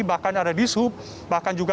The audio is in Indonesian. bahkan ada di sub bahkan juga